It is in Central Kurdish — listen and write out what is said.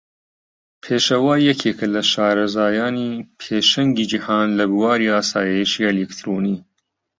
پێشەوا یەکێکە لە شارەزایانی پێشەنگی جیهان لە بواری ئاسایشی ئەلیکترۆنی.